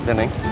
udah deh pak